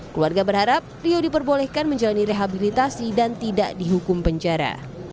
keluarga berharap rio diperbolehkan menjalani rehabilitasi dan tidak dihukum penjara